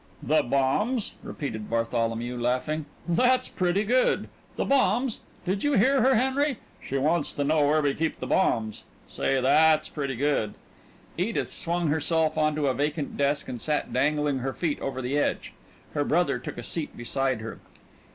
"The bombs?" repeated Bartholomew, laughing. "That's pretty good the bombs. Did you hear her, Henry? She wants to know where we keep the bombs. Say, that's pretty good." Edith swung herself onto a vacant desk and sat dangling her feet over the edge. Her brother took a seat beside her.